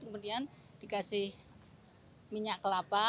kemudian dikasih minyak kelapa